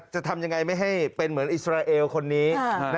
จะทำยังไงไม่ให้เป็นเหมือนอิสราเอลคนนี้